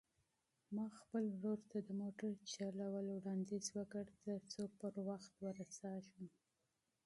ما خپل ورور ته د موټر چلولو وړاندیز وکړ ترڅو په وخت ورسېږو.